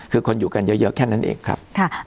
คือคนอยู่กันเยอะแค่นั้นเองครับ